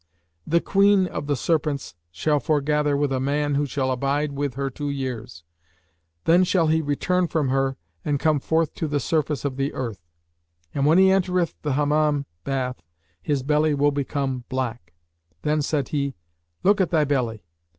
"The Queen of the Serpents shall foregather with a man who shall abide with her two years; then shall he return from her and come forth to the surface of the earth, and when he entereth the Hammam bath his belly will become black." Then said he, "Look at thy belly."